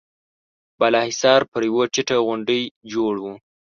بالا حصار پر يوه ټيټه غونډۍ جوړ و.